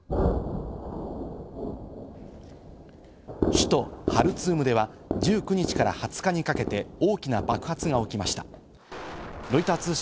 首都ハルツームでは、１９日から２０日にかけて大きな爆発が起きました。